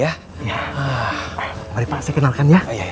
mari pak saya kenalkan ya